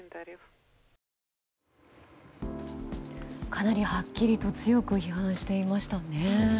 かなりはっきりと強く批判していましたね。